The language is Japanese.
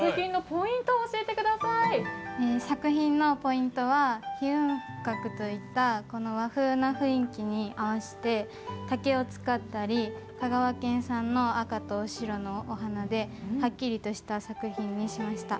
作品のポイントは披雲閣といった和風な雰囲気に合わせて竹を使ったり、香川県産の赤と白のお花ではっきりとした作品にしました。